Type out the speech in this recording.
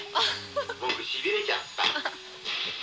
僕、しびれちゃった。